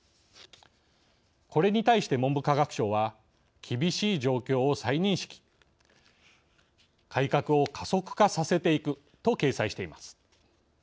これに対して文部科学省は厳しい状況を再認識改革を加速化させていくと掲載しています。